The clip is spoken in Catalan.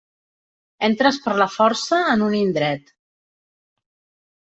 Entres per la força en un indret.